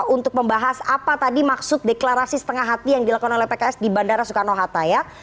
untuk membahas apa tadi maksud deklarasi setengah hati yang dilakukan oleh pks di bandara soekarno hatta ya